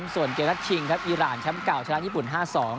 ส่วนเกมนัดชิงครับอีรานแชมป์เก่าชนะญี่ปุ่น๕๒